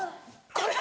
これ！